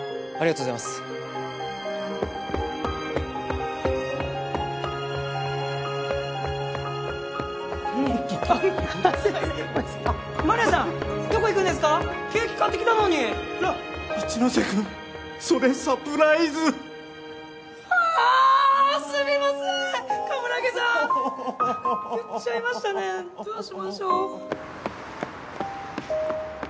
どうしましょう。